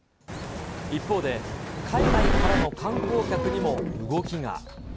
一方で、海外からの観光客にも動きが。